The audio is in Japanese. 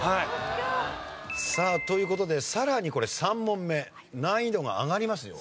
さあという事でさらにこれ３問目難易度が上がりますよ。